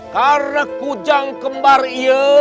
karena ku jang kembar iya